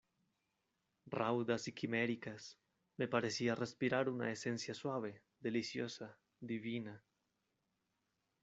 raudas y quiméricas, me parecía respirar una esencia suave , deliciosa , divina: